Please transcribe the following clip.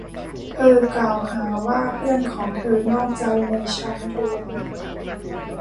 เธอกล่าวหาว่าเพื่อนของเธอนอกใจในชั้นเรียน